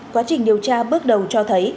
quá trình điều tra bước đầu cho thấy